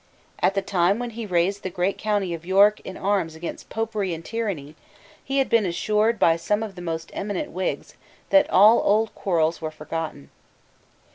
At the time when he raised the great county of York in arms against Popery and tyranny, he had been assured by some of the most eminent Whigs that all old quarrels were forgotten.